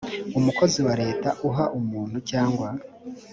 umukozi wa leta uha umuntu cyangwa